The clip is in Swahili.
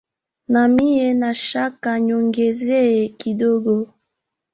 Na mie nachaka nyongezee kidogo.